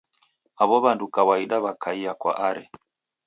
Aw'o w'adudu kawaida w'akaia kwa Are.